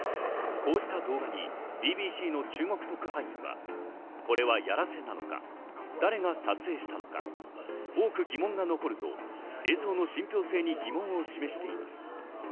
こうした動画にＢＢＣの中国特派員は、これはやらせなのか、誰が撮影したのか、多く疑問が残ると映像の信ぴょう性に疑問を示しています。